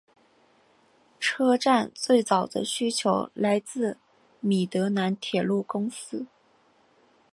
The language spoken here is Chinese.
车站最早的需求来自米德兰铁路公司。